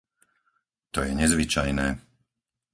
To je nezvyčajné.